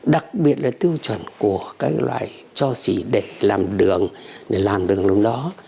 đặc biệt là tiêu chuẩn của các loại cho chỉ để làm đường để làm đường đúng đó